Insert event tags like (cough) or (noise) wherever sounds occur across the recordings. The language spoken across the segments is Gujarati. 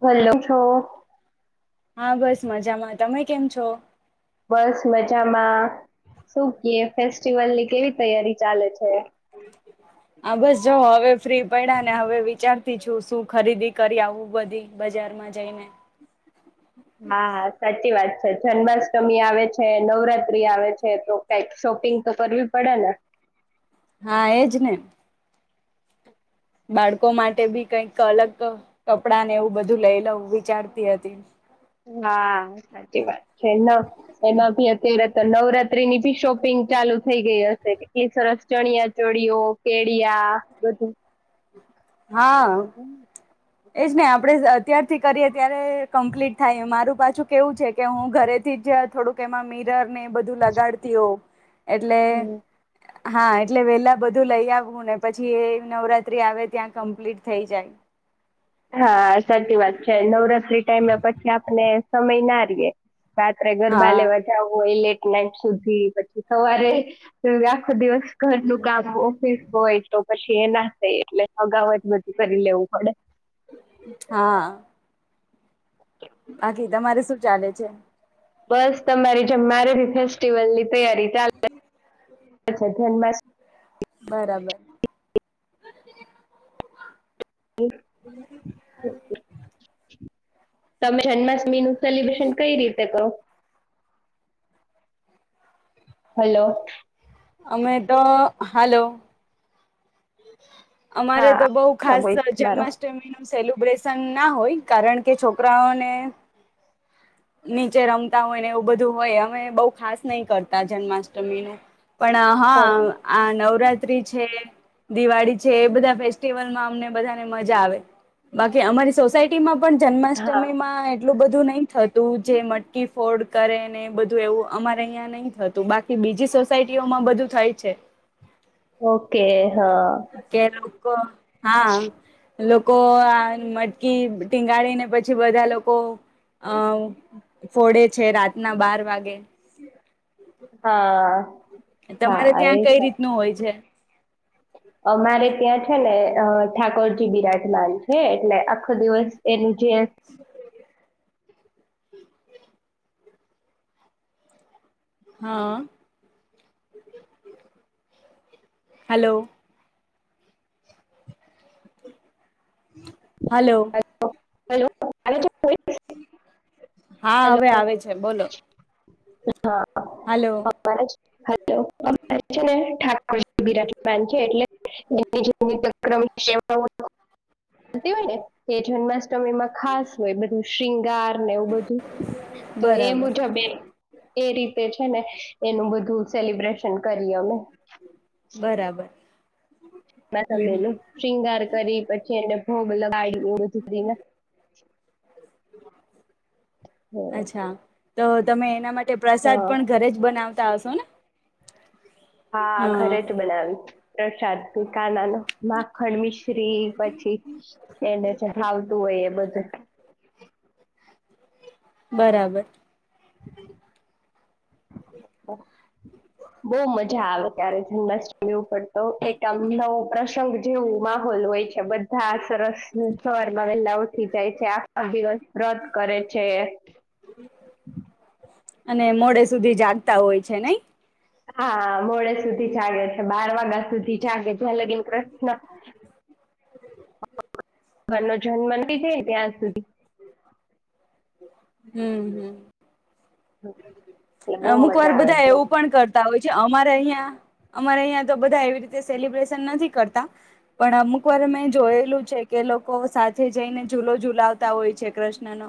હલો છો હા બસ મજામાં તમે કેમ છો બસ મજામાં શું કે ફેસ્ટિવલ ની કેવી તૈયારી ચાલે છે હમ હા બસ જો હવે ફ્રી પડ્યા ને હવે વિચારતી છું શું ખરીદી કરી આવું બધી બજ બજાર માં જઈને હા સાચી વાત છે જન્માષ્ટમી આવે છે નવરાત્રી આવે છે તો કઈક શો શોટિંગ તો કરવી પડે ને હા એજ ને બાળકો માટે બી કઈક અલગ કપડા ને એવું બધું લઈ લઉ વિચારતી હતી. હા સાચી વાત છે. ના એમાં ભી અત્યારે તો નવરાત્રીની બી શોપિંગ ચાલુ થઈ ગઈ હશે કેટલી સરસ ચણિયા ચોળીઓ, કેળિયા હા બધું. હા. હમ એજ ને આપડે અત્યારથી કરીએ ત્યારે કમ્પ્લીટ થાય મારું પાછું કેવું છે કે હું ઘરેથી થોડુંક એમાં મિરર ને બધું લગાડતી હોવ એટલે હા એટલે વેલા બધું લઈ આવવું ને પછી એ નવરાત્રી આવે ત્યાં કમ્પ્લીટ થઈ જાય. હા સાચી વાત છે. નવરાત્રી ટાઈમે પછી આપને સમય ના રીય. રાત્રે ગરબા હા લેવા જવું હોય લેટ નાઈટ સુધી પછી સવારે આખો દિવસ ઘરનું કામ ઓફિસ હોય તો પછી એ ના થાય એટલે અગાઉ જ બધું કરી લેવું પડે. હા. બાકી તમારે શું ચાલે છે. બસ તમારી જેમ મારે બી ફેસ્ટિવલની તૈયારી ચાલે. અચ્છા ધનમાંસ બરાબર. હમ્મ. તમે જન્માષ્ટમી નું સેલિબ્રેશન કઈ રીતે કરો? હલો. અમે તો હાલો. અમારે હા તો બઉ આ ખાસ બોલ મારો જન્માષ્ટમીનું સેલુ બ્રેશન ના હોય કારણ કે છોકરાઓને નીચે રમતા હોય ને એવું બધું હોય અમેય બઉુ ખાસ નહી કરતા જન્માષ્ટમીનું. પણ હા ઓકે આ નવરાત્રી છે દિવાળી છે એ બધા ફેસ્ટિવલમાં અમને બધાને મજા આવે બાકી અમારી સોસાયટીમાં પણ હા જન્માષ્ટમીમાં એટલું બધું નહીં થતું જે મટકી ફોડ કરે ને બધું એવું અમારે અહિયાં નહીં થતું બાકી બીજી સોસાયટીઓમાં બધું થય છે. ઓકે હા. કે લોકો હા. લોકો આ મટકી ટીંગાળી ને પછી બધા લોકો અ ફોડે છે રાતના બાર વાગે હા તમારે હા એ ત્યાં સારું કઈ રીતનું હોય છે? અમારે ત્યાં છે ને અ ઠાકોરજી બિરાજમાન છે એટલે આખો દિવસ એ જે હા. હાલો. હાલો. અને જે કોઈ હા હવે આવે છે બોલો. હા હલો પણ મારે છે ને હાલો અમારે છે ને ઠાકોરજી બિરાજમાન છે એટલે એની જે. (unintelligible) થતી હોય ને એ જન્માષ્ટમીમાં ખાસ હોય બધું શૃંગાર ને એવું બધું તો એ બરાબર મુજબ એ એ રીતે છે ને એનું બધું સેલિબ્રેશન કરીયે અમે. બરાબર. એમાં હમ તમે હમ એનું શિંગાર કરી પછી એને. (unintelligible) હમ્મ હમ, અચ્છા તો તમે એના માટે પ્રસાદ હા પણ ઘરે જ બનાવતા હશો ને, હા, ઘરે જ બનાવી પ્રસાદ કાના ન માખણ મિશ્રી પછી એને ચઠ આવતું હોય એ બધું બરાબર (unintelligible) બહ મજા આવે ત્યારે જન્માષ્ટમી ઉપર તો એક આમ નવ પ્રસંગ જીવું માહોલ હોય છે, બધા સરસ જર માં વેલા ઉઠી જાય છે આ દિવસ રદ કરે છે, અને મોડે સુધી જાગતા હોય છે નઈ હા મોડે સુધી જાગે છે, બાર વાગ્યા સુધી જાગે છે લગીન પ્રશ્ન ન જન્મ જાય ત્યાં સુધી હમ્મ એટલે બહુ અમુક વાર મજા આવે બધા છે એવું પણ કરતા હોય, અમારે અહિયાં અમારે અહિયાં તો બધા એવી રીતે સેલિબ્રેશન નથી કરતા પણ અમુક હમ વાર મેં જોયેલું છે, કે લોકો સાથે જઈને જુલો જુલાવતા હોય છે, કૃષ્ણનો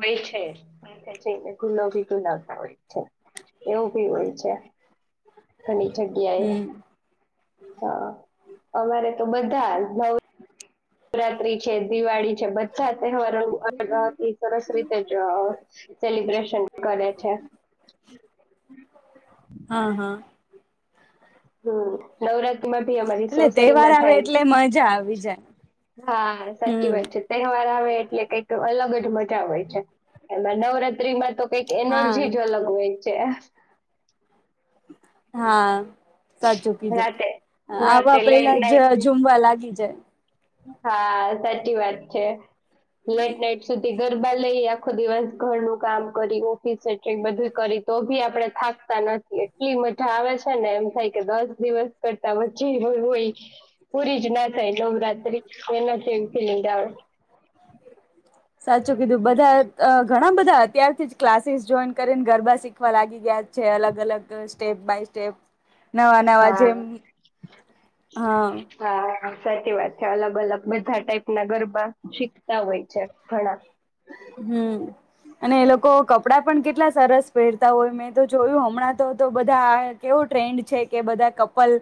હ કઈ છે, થઈને ગુલો ભી ગુલાવતા હોય છે એવું ભી હોય છે, ઘણી જગ્યાએ હમ હા અમારે તો બધા નવરાત્રી છે, દિવાળી બધા તહેવારો સરસ રીતે જ સેલિબ્રેશન કરે છે, હા હા હમ્મ નવરાત્રીમાં ભી અમારી એટલે તહેવાર સોસાયટીમાં આવે થાય છે, એટલે મજા આવી જાય હા સાચી હમ વાત છે તહેવાર આવે એટલે કઈક અલગ જ મજા હોય છે, એમાં નવરાત્રીમાં તો કઈક હા એનર્જી જ અલગ હોય છે, હા, સાચું કીધું રાતે આવા રાતે લેટ પેલા જ નાઈટ ઝુમવા લાગી જાય હા સાચી વાત છે, લેટ નાઈટ સુધી ગરબા લઈ આપ આખો દિવસ ઘરનું કામ કરી ઓફિસ સેટંગ બધું કરી તો ભી આપણે થાકતા નથી એટલી મજા આવે છે, ને એમ થાય કે દસ દિવસ કરતા જ હોય હોય પૂરી જ ના થાય નવરા એ નથી ફિમ ત સાચું કીધું બધા ઘણા બધા અત્યારથી જ ક્લાસીસ જોઈન કરીને ગરબા શીખવા લાગી ગયા છે, અલગ અલગ સ્ટેપ બાય નવા નવા હા જેમ હા હા સાચી વાત છે, અલગ અલગ બધા ટાઈપ ના ગરબા શીખતા હોય છે, ઘણા હમ્મ અને એ લોકો કપડા પણ કેટલા સરસ પહેરતા હોય મેં તો જોયું હમણાં તો બધા કેવ ન છે કે બધા કપલ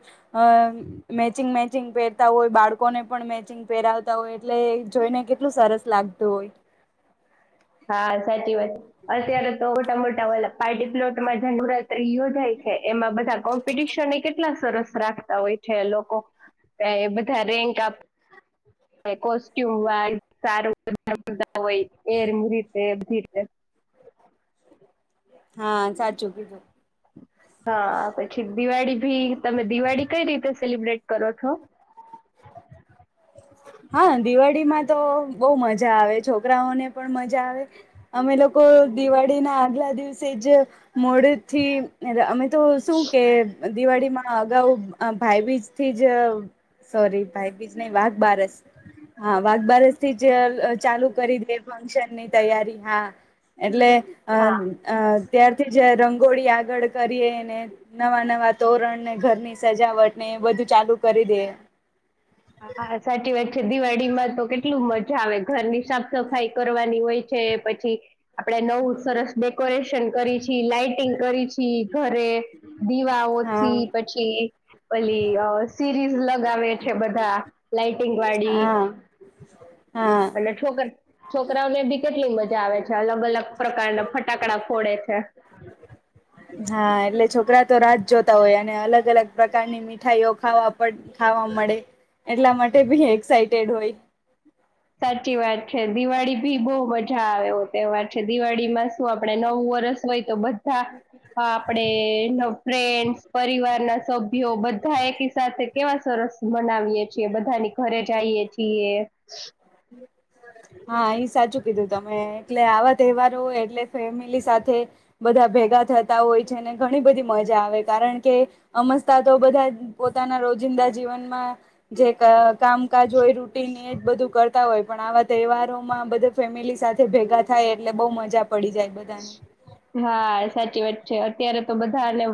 મેચિંગ મેચિંગ પહેરતા હોય, બાળકોને પણ મે પેરાવતા હોય એટલે જોઈને કેટલું સરસ લાગતું હોય, હા, સાચી વાત અત્યારે તો મોટા મોટા પાર્ટી પ્લોટમાં જ યોજાય છે, એમાં બધા કોમ્પિટિશન એ કેટલા સરસ રાખતા હોય છે, લોકો એ બધા રેન્ક આપ કોસ્ટ્યુમ વા સાર હોય એ તે બથીર હા, સાચું કીજ હા, પછી દિવાળી ભી તમે દિવાળી કઈ રીતે સેલિબ્રેટ કરો છો? હા દિવાળીમાં તો બહ મજા આવે છોકરાઓને પણ મજા આવે અમે લોકો દિવાળી ના આગલા દિવસે જ મોડ થી અમે તો શું કે દિવાળીમાં અગાઉ ભાઈબીજ થી જ સોરી ભાઈ બીજ નહી વાઘ બાર જ હા વાઘ બારસ થી જ ચાલુ કરી દે ફંક્શન ની તૈયારી હા એટલે અ હા અ ત્યારથી જ રંગોળી આગળ કરીએ ને નવા નવા તોરણને ઘરની સજાવટને બધું ચાલુ કરી દે હા સાચી વાત છે દિવાળી માં તો કેટલું મજા આવે ઘરની સાફ સફાઈ કરવાની હોય છે પછી આપડે નવું સરસ ડેકોરેશ કરી લાઈટિંગ કરી છે ઘરે હા દીવાઓથી પછી પલી સીરીઝ લગાવે છે બધા લાાઈટિંગ વાળી હા હા અને છોકરા છોકરાઓને બી કેટલી મજા આવે છે અલગ અલગ પ્રકારના ફટાકડા ફોડે અચ્છા હા એટલે છોકરા તો રાત જોતા હોય અને અલગ અલગ પ્રકારની મીઠાઈઓ ખાવાડ ખા એટલા માટે બી એટેડ હોય સાચી વાત છે દિવાળી ભી બહુ મજા આવે એ તહેવાર છે દિવાળી માં શું આપડ નવું વરસ હોય તો બધા આપણેે ન ફ્રેન્ડસ પરિવાર ના સભ્યો બધા એકી સાથે કેવા સરસ મ બનાવીએ છીએ બધાની ઘરે જઈએ છીએ હમ હા એ સાચું કીધું તમે એટલે આવા તહેવારો એટલે ફેમિલી સાથે બધા ભ થતા હોય છેને ઘણી બધી મજા આવે કારણ કે અમસ્તા તો બધા પોતાના રોજી જીવનમાં જે કામકાજ હોય રૂટીન એ બધું કર હોય પણ આવા તહેવારોમાં બધા ફેમિલી સાથે ભેગા થાય એટલે બહુ મજા પડી જાય બધાને હા સાચી વાત છે અત્યારે તો બધાને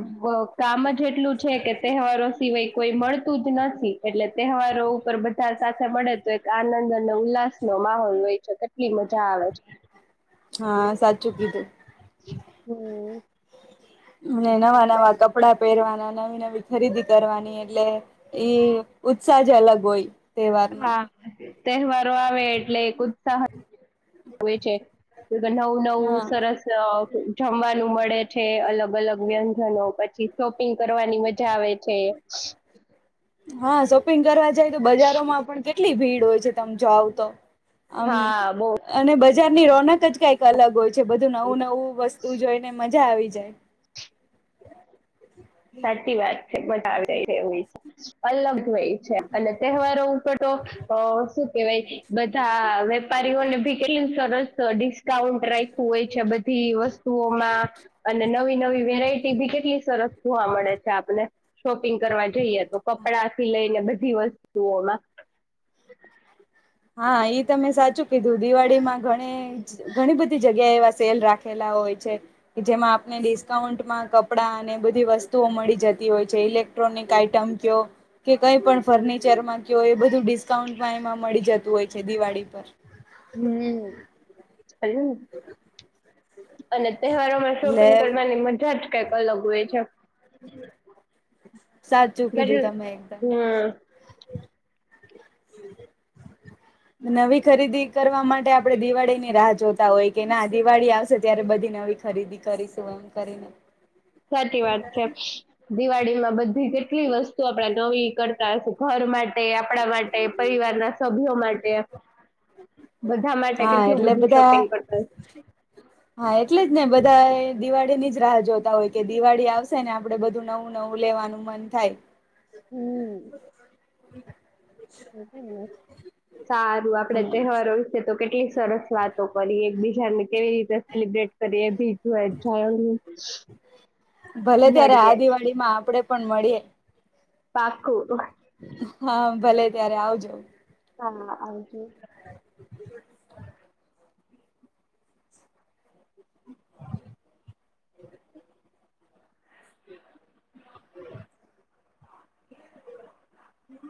કામ જ એટલું છે કે તહેવારો સિવાય કોઈ મળતું જ નથી એટલે તહેવારો ઉપર બધા સાથે મળે તો એક આનંદ અને ઉલ્લાસનોો માહોલ હોય છે કેટલી મા મજા આવે છે હા સાચું કીધું હમ અને નવા એટલે નવા કપડા પહેરવાના નવી નવી ખરીદી કરવાની એટલે ઈ ઉત્સાહ જ અલગ હોય તેહેવારના હા તહેવારો આવે એટલે એક ઉત્સાહ હોય છે નવું હા નવું સરસ જમવાનું મળે છે અલગ અલગ વ્યંજનો પછી શોપિંગ કરવાની મજા આવે છે હા શોપિંગ કરવા જાય તો બજારોમાં પણ કેટલી ભીડ હોય છે તમે જોઓ તો આમ હા બહુ અને બજારની રોનક જ કઈક અલગ હોય બધું નવું નવું વસ્તુ જોઈને મજા આવી જાય સાચી વાત છે બટ આવી અલગ હોય છે અને તહેવારો ઉપર તો અ શું કેહેવાય બધા વેપારીઓને ભી કેટલી સરસ ડિસ્કાઉન્ટ રાખવું હોય છે બધી વસ્તુ માં અને નવી નવી વેરાયટી ભી કેટલી સરસ જોવા મળે છે આપને શોપિંગ કરવા જઈએ તો કપડાથી લઈને બધા દિવસ જુઓમાં હા તમે સાચું કીધું દિવાળી માં ઘણી બધી જગ્યાએ એવા સેલ રાખેલા હોય છે કે જેમાં આપણે ડિસ્કાઉન્ટમાં કપડા અને બધી વસ્તુઓ મળી જતી હોય છે ઇલેક્ટ્રોનિક આઈટમ ક કે કઈ પણ ફરક ફર્નિચરમાં કયો એ બધું ડિસ્કાઉન્ટમાં એમાં મળી જત દિવાળી પર હમ અને તહેવારોમાં એટલે શોપિંગ કરવાની મજા જ કઈક અલગ હોય છે સાચું કીધું તમે એકદમ હમ નવી ખરીદી કરવા માટે આપણે દિવાળી ની રાહ જો હોય કે ના દિવાળી આવશે ત્યારે બધી નવી ખરીદી કરીશું એમ કરીને સાચી વાત છે દિવાળીમાં બધી જ કેટલી વસ્તુ આપણા નવી કરતા હશ ઘર માટે આપણા માટે પરિવારના સભ્યો માટે બધા માટે હા કેટલું એટલે બધું બધા શોપિંગ કરતા હશે હા એટલે જ ને બધા બધ દિવાળી ની જ રાહ જોતા હોય કે દિવાળી આવશે ને આપડે બધું નવું નવું લેવાનું મન થાય હમ હ સારું આપડે હમ. તહેવારો વિશે તો કેટલી સરસ વાતો કરી એક બીજાની કેવી રીતે સેલિબ્રેટ કરી એ બી જો જ ભલે ત્યારે આ દિવાળી માં આપણેે પણ મળીએ પાકું હા ભલે ત્યારે આવજો હા આવજ (inaudible) (inaudible) (inaudible) (inaudible)